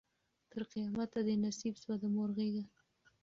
تر قیامته دي نصیب سوه د مور غیږه